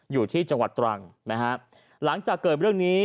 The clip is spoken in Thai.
อยู่ที่จังหวัดตรังนะฮะหลังจากเกิดเรื่องนี้